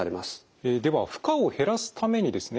では負荷を減らすためにですね